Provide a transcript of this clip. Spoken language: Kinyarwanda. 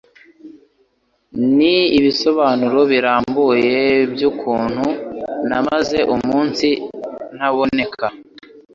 Ni ibisobanuro birambuye byukuntu namaze umunsi ntaboneka